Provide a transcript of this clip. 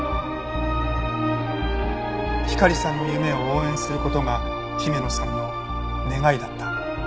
ひかりさんの夢を応援する事が姫野さんの願いだった。